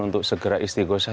untuk segera istiqosa